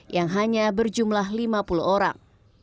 yang hanya berjumlah lima puluh orang